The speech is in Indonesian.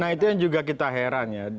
nah itu yang juga kita heran ya